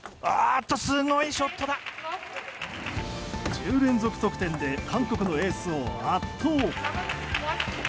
１０連続得点で韓国のエースを圧倒。